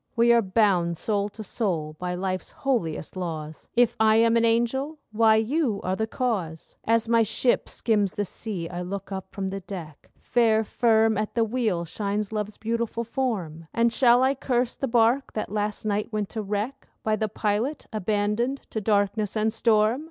We are bound soul to soul by life's holiest laws; If I am an angel—why, you are the cause. As my ship skims the sea, I look up from the deck. Fair, firm at the wheel shines Love's beautiful form. And shall I curse the bark that last night went to wreck By the pilot abandoned to darkness and storm?